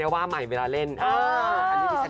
ใครคะ